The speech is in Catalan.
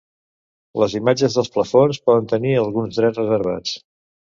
Les imatges dels plafons poden tenir alguns drets reservats.